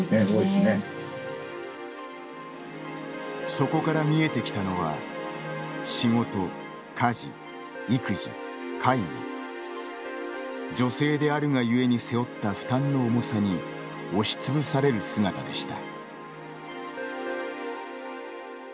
そこから見えてきたのは仕事・家事・育児・介護女性であるがゆえに背負った負担の重さに押しつぶされる姿でした。